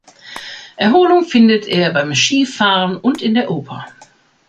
Erholung findet er beim Skifahren und in der Oper.